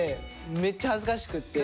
めっちゃ恥ずかしくって。